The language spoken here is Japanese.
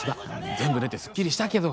全部出てすっきりしたけど。